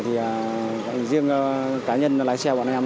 thì riêng cá nhân lái xe của bọn em